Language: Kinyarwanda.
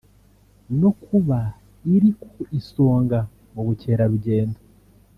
no kuba iri ku isonga mu bukererugendo